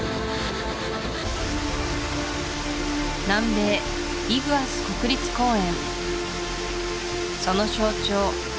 南米イグアス国立公園その象徴